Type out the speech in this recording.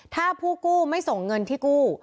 ถ้าผู้กู้ไม่ส่งเงินที่กู้